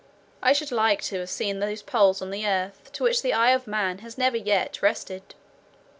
I should like to have seen those poles of the earth on which the eye of man has never yet rested."